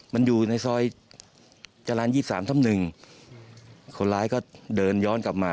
มันอยู่ในซอยจรานยี่สามทำหนึ่งคนร้ายก็เดินย้อนกลับมา